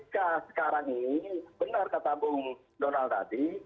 tapi sekarang ini benar kata bang donald tadi